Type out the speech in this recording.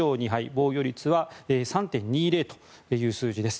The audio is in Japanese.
防御率は３．２０という数字です。